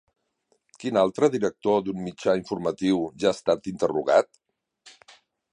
Quin altre director d'un mitjà informatiu ja ha estat interrogat?